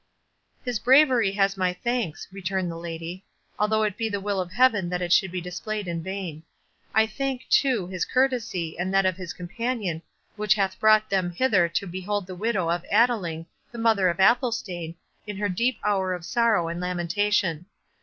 "His bravery has my thanks," returned the lady; "although it be the will of Heaven that it should be displayed in vain. I thank, too, his courtesy, and that of his companion, which hath brought them hither to behold the widow of Adeling, the mother of Athelstane, in her deep hour of sorrow and lamentation.